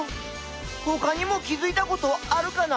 ほかにも気づいたことあるかな？